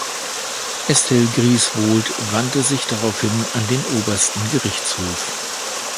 Estelle Griswold wandte sich daraufhin an den Obersten Gerichtshof.